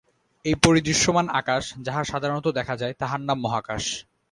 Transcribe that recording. এই পরিদৃশ্যমান আকাশ, যাহা সাধারণত দেখা যায়, তাহার নাম মহাকাশ।